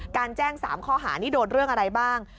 การแจ้ง๓ข้อหานี่โดนเรื่องอะไรบ้าง